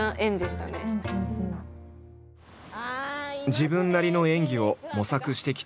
自分なりの演技を模索してきた飯豊。